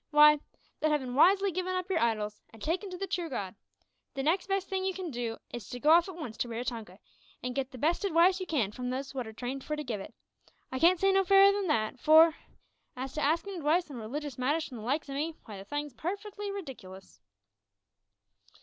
W'y that, havin' wisely given up yer idols, an' taken to the true God, the next best thing you can do is to go off at once to Raratonga, an' git the best adwice you can from those wot are trained for to give it. I can't say no fairer than that, for, as to askin' adwice on religious matters from the likes o' me, w'y the thing's parfitly ridiklous!"